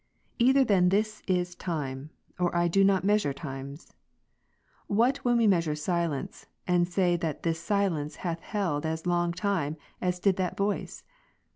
Either then this is time, or I do not measure times. What when we measure silence, and say that this silence hath held as long time as did that voice